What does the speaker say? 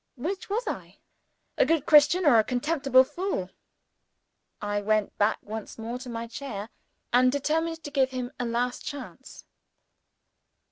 Which was I, a good Christian? or a contemptible fool? I went back once more to my chair, and determined to give him a last chance.